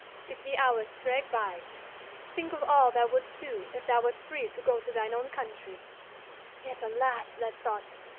If the hours drag by, think of all thou wouldst do if thou wert free to go to thine own country yet alas that thought!